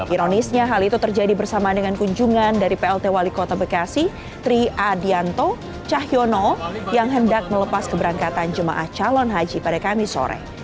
ironisnya hal itu terjadi bersama dengan kunjungan dari plt wali kota bekasi tri adianto cahyono yang hendak melepas keberangkatan jemaah calon haji pada kamis sore